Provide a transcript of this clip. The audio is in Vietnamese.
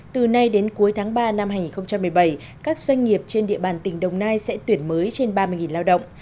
từ nay đến cuối tháng ba năm hai nghìn một mươi bảy các doanh nghiệp trên địa bàn tỉnh đồng nai sẽ tuyển mới trên ba mươi lao động